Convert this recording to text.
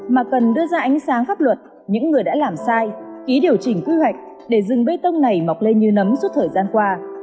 mà cần đưa ra ánh sáng pháp luật những người đã làm sai ký điều chỉnh quy hoạch để rừng bê tông này mọc lên như nấm suốt thời gian qua